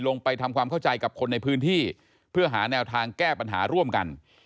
ลงไปทำความเข้าใจกับคนในพื้นที่เพื่อหาแนวทางแก้ปัญหาร่วมกัน